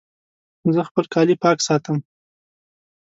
زه خپل کالي پاک ساتم.